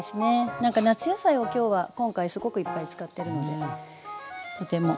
何か夏野菜を今日は今回すごくいっぱい使ってるのでとてもいいですよね。